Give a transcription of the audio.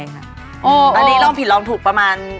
โหนันที่ที่ลองผิดลองถูกประมาณ